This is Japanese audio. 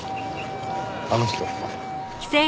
あの人。